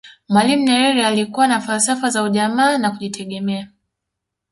mwalimu nyerere alikuwa na falsafa za ujamaa na kujitegemea